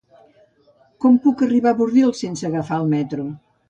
Com puc arribar a Bordils sense agafar el metro?